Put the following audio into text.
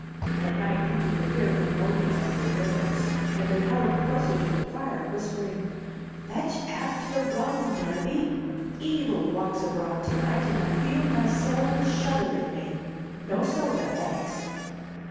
At night people could hear her moaning under their windows, and they huddled closer to the fire, whispering, "Fetch aft the rum, Darby! Evil walks abroad tonight and I feel my soul shudder in me. No soda, thanks!"